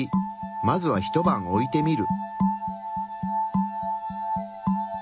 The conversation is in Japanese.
まずはひと晩置いてみる。